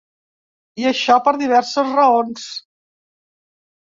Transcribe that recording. I això, per diverses raons.